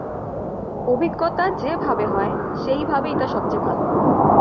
অভিজ্ঞতা যে ভাবে হয়, সেই ভাবেই তা সবচেয়ে ভাল।